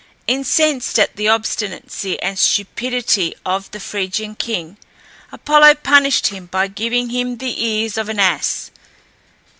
Incensed at the obstinacy and stupidity of the Phrygian king, Apollo punished him by giving him the ears of an ass.